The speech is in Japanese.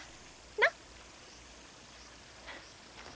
なっ？